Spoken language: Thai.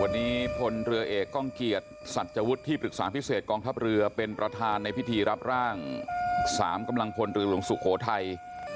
วันนี้พลเรือเอกก้องเกียจสัจวุฒิที่ปรึกษาพิเศษกองทัพเรือเป็นประธานในพิธีรับร่าง๓กำลังพลเรือหลวงสุโขทัย